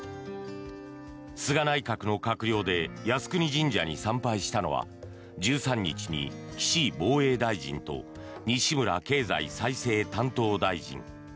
菅内閣の閣僚で靖国神社に参拝したのは１３日に岸防衛大臣と西村経済再生担当大臣。